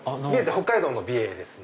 北海道の美瑛です。